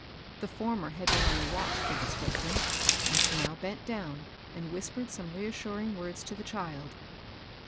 The former had been on the watch for this waking ; and she now bent down, and whispered some reassuring words to the child.